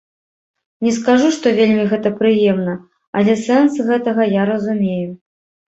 Не скажу, што вельмі гэта прыемна, але сэнс гэтага я разумею.